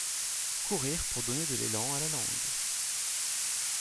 Courir pour donner de l’élan à la langue.